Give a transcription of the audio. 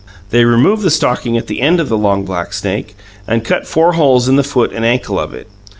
They removed the stocking at the end of the long black snake, and cut four holes in the foot and ankle of it.